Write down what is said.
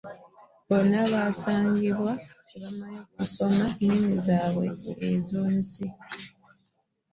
Bonna basangibwa tebamanyi kusoma nnimi zaabwe ennansi